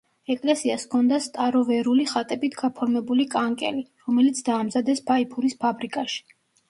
ეკლესიას ჰქონდა სტაროვერული ხატებით გაფორმებული კანკელი, რომელიც დაამზადეს ფაიფურის ფაბრიკაში.